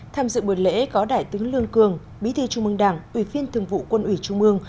tham dự buổi lễ có đại tướng lương cường bí thư trung mương đảng ủy viên thường vụ quân ủy trung mương